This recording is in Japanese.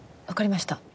わかりました。